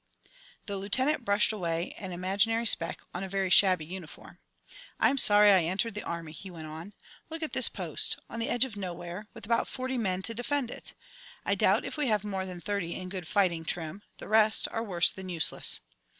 The Lieutenant brushed away an imaginary speck on a very shabby uniform. "I'm sorry I entered the army," he went on. "Look at this post, on the edge of nowhere, with about forty men to defend it. I doubt if we have more than thirty in good fighting trim the rest are worse than useless.